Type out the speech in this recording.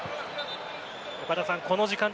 岡田さん、この時間帯